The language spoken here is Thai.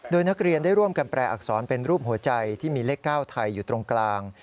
โดยนักเรียนได้ร่วมกันแปลอักษรเป็นรูปหัวใจที่มีเลข๙ไทยอยู่ตรงกลาง